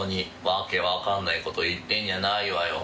訳わかんない事言ってんじゃないわよ